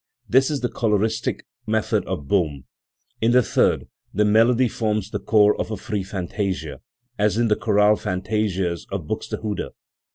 This is the "coloristic" method of Bohm. In the third the melody forms the core of a free fantasia, as in the chorale fantasias of Buxtehude.